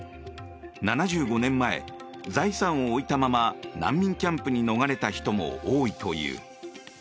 ７５年前、財産を置いたまま難民キャンプに逃れた人も多いという。